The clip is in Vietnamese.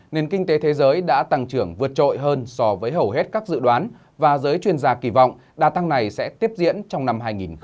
nền kinh tế thế giới đã tăng trưởng vượt trội hơn so với hầu hết các dự đoán và giới chuyên gia kỳ vọng đà tăng này sẽ tiếp diễn trong năm hai nghìn hai mươi